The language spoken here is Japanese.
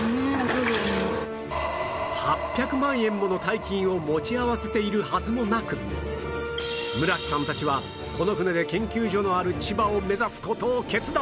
８００万円もの大金を持ち合わせているはずもなく村木さんたちはこの船で研究所のある千葉を目指す事を決断